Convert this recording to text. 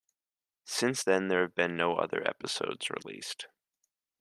Since then, there have been no other episodes released.